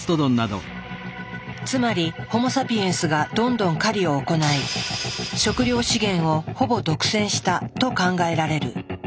つまりホモ・サピエンスがどんどん狩りを行い食料資源をほぼ独占したと考えられる。